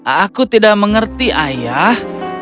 aku tidak mengerti ayah